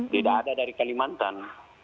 tidak ada dari kalimantan